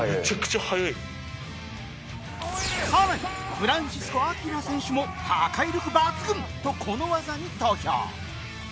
更にフランシスコ・アキラ選手も「破壊力抜群！」とこの技に投票